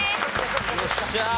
よっしゃあ！